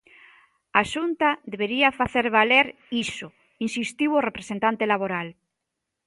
"A Xunta debería facer valer iso", insistiu o representante laboral.